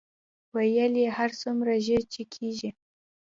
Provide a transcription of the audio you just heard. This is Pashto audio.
ویل یې هر څومره ژر چې کېږي.